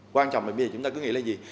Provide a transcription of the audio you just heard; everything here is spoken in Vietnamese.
quan trọng là bây giờ chúng ta cứ nghĩ là gì